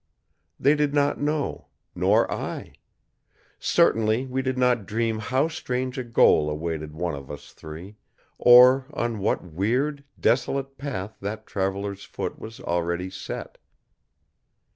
They did not know, nor I. Certainly we did not dream how strange a goal awaited one of us three, or on what weird, desolate path that traveler's foot was already set.